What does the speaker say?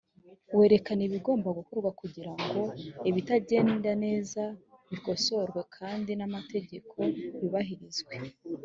werekana ibigomba gukorwa kugira ngo ibitagenda neza bikosorwe kandi n amategeko yubahirizwe